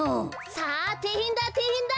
さあてえへんだてえへんだ！